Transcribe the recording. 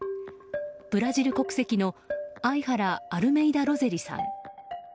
ブラジル国籍のアイハラ・アルメイダ・ロゼリさん。